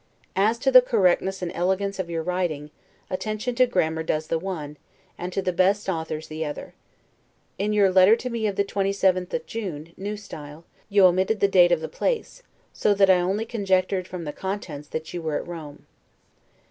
As to the correctness and elegance of your writing, attention to grammar does the one, and to the best authors the other. In your letter to me of the 27th June, N. S., you omitted the date of the place, so that I only conjectured from the contents that you were at Rome.